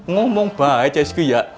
ngomong baik csq ya